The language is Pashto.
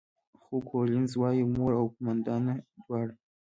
خو کولینز وايي، مور او قوماندانه دواړه.